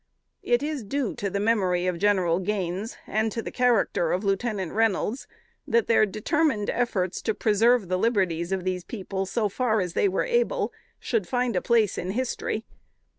It is due to the memory of General Gaines, and to the character of Lieutenant Reynolds, that their determined efforts to preserve the liberties of these people, so far as they were able, should find a place in history.